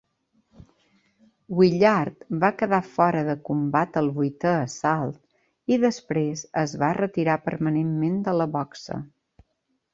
Willard va quedar fora de combat al vuitè assalt, i després es va retirar permanentment de la boxa.